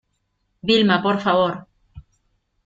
Vilma, por favor.